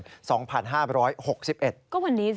ก็วันนี้สิ